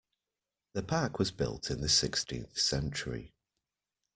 The park was built in the sixteenth century.